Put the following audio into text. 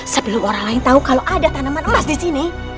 sebelum orang lain tahu kalau ada tanaman emas di sini